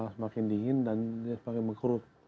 semakin dingin dan dia semakin mengkurup